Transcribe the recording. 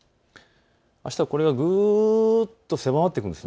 あしたはこれがぐっと狭まってくるんです。